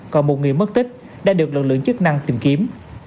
còn một người mất tích đã được lực lượng chức năng tìm kiếm